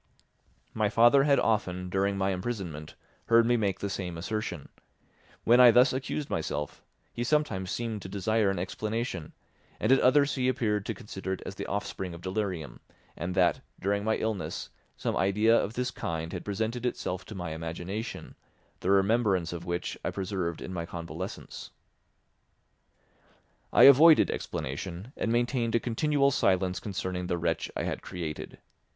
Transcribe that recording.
My father had often, during my imprisonment, heard me make the same assertion; when I thus accused myself, he sometimes seemed to desire an explanation, and at others he appeared to consider it as the offspring of delirium, and that, during my illness, some idea of this kind had presented itself to my imagination, the remembrance of which I preserved in my convalescence. I avoided explanation and maintained a continual silence concerning the wretch I had created.